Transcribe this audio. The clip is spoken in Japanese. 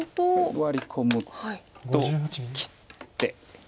ワリ込むと切って。